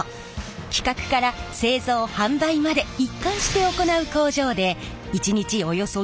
企画から製造販売まで一貫して行う工場で１日およそ１２万個製造しています。